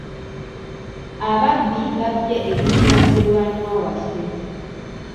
Ababbi babbye ebintu bya muliraanwa waffe.